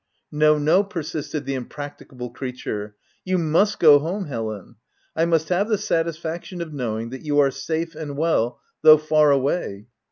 u No, no," persisted the impracticable crea ture ; u you must go home, Helen ; I must have the satisfaction of knowing that you are safe and well, though far away.